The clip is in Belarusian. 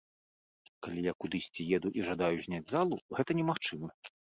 Калі я кудысьці еду і жадаю зняць залу, гэта немагчыма.